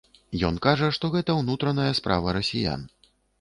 Ён кажа, што гэта ўнутраная справа расіян.